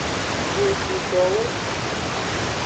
Bojidowo.